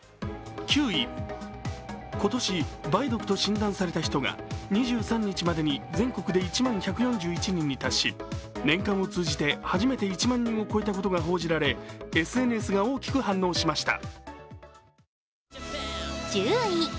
今年梅毒と診断された人が２３日までに全国で１万１４１人に達し年間を通じて初めて１万人を超えたことが報じられＳＮＳが大きく反応しました。